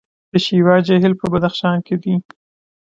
د شیوا جهیل په بدخشان کې دی